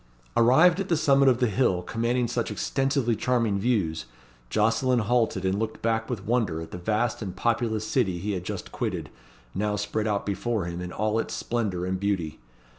Arrived at the summit of the hill, commanding such extensively charming views, Jocelyn halted and looked back with wonder at the vast and populous city he had just quitted, now spread out before him in all its splendour and beauty.